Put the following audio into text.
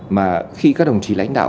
mà khi các đồng chí lãnh đạo